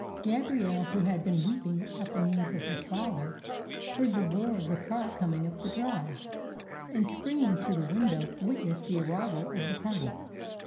Gabrielle, who had been weeping at the knees of her father, heard the whirr of the car coming up the drive; and, springing to the window, witnessed the arrival of the party.